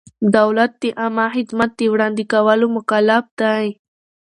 دولت د عامه خدمت د وړاندې کولو مکلف دی.